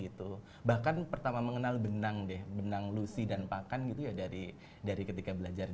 gitu bahkan pertama mengenal benang deh benang lucy dan pak han gitu dari ketika belajar